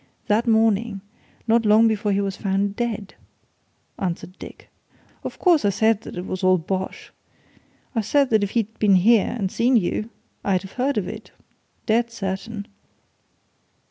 that morning, not long before he was found dead," answered Dick. "Of course, I said that was all bosh! I said that if he'd been here and seen you, I'd have heard of it, dead certain."